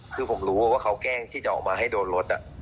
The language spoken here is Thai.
คือผมรู้ว่าเขาแกล้งที่จะออกมาให้โดนรถ